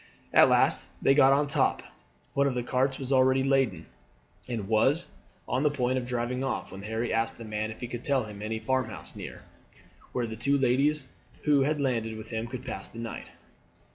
At last they got to the top. One of the carts was already laden, and was on the point of driving off when Harry asked the man if he could tell him of any farmhouse near, where the two ladies who had landed with him could pass the night.